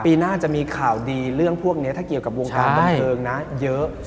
ปีหน้าจะมีข่าวดีเรื่องพวกนี้ถ้าเกี่ยวกับวงการบันเทิงนะเยอะ